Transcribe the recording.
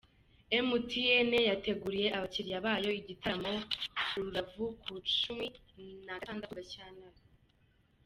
emutiyene yateguriye abakiriya bayo igitaramo ‘Uru-Ravu’ ku cumi na gatandatu Gashyantare